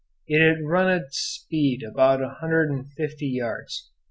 It had run at speed about a hundred and fifty yards.